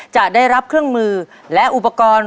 จะได้รับเครื่องมือและอุปกรณ์